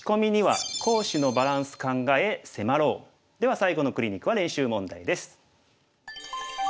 では最後のクリニックは練習問題です。